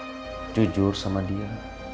kamu harus jujur sama dia